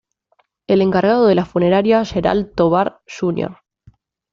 El encargado de la funeraria Gerald Tovar, Jr.